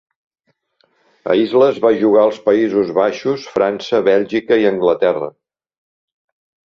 Aisles va jugar als Països Baixos, França, Bèlgica i Anglaterra.